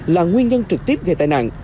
là nguyên nhân trực tiếp gây tai nạn